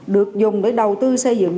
được dùng để đầu tư xây dựng